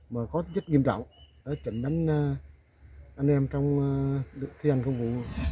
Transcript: mà có chất nghiêm trọng ở trận đánh anh em trong thi hành công vụ